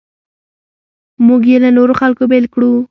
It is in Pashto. موږ یې له نورو خلکو بېل کړو.